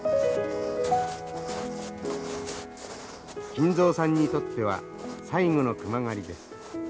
金蔵さんにとっては最後の熊狩りです。